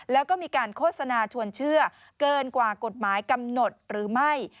แล้วก็มีการโฆษณาชวนเชื่อเกินกว่ากฎหมายกำหนดหรือไม่